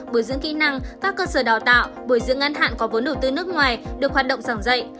bồi dưỡng kỹ năng các cơ sở đào tạo bồi dưỡng ngắn hạn có vốn đầu tư nước ngoài được hoạt động giảng dạy